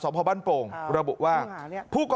สวัสดีครับทุกคน